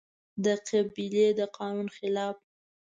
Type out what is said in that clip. د قبيلې د قانون خلاف